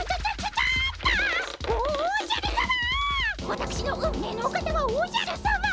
わたくしの運命のお方はおじゃるさま！